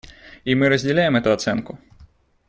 И мы разделяем эту оценку.